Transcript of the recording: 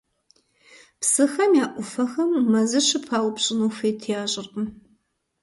Псыхэм я Ӏуфэхэм мэзыр щыпаупщӀыну хуит ящӀыркъым.